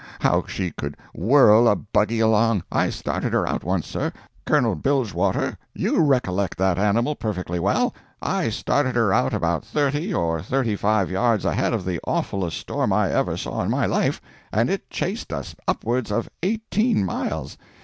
How she could whirl a buggy along! I started her out once, sir—Colonel Bilgewater, you recollect that animal perfectly well—I started her out about thirty or thirty five yards ahead of the awfullest storm I ever saw in my life, and it chased us upwards of eighteen miles!